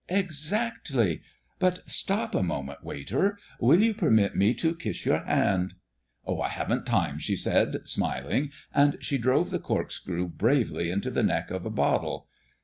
"Exactly. But stop a moment, waiter; will you permit me to kiss your hand?" "I haven't time," she said, smiling, and she drove the corkscrew bravely into the neck of a bottle.